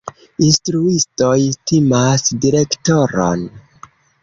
Instruistoj timas direktoron.